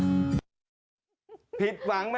ไม่ผิดหวังเลยค่ะ